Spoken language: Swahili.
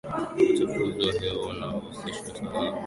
uchafuzi wa hewa unahusishwa sana na mabadiliko ya tabianchi na